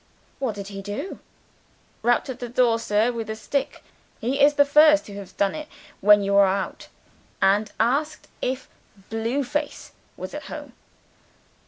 'What did he do?' 'Rapped at the door, sir, with a stick (he is not the first who has done it when you are out); and asked if Blue Face was at home.'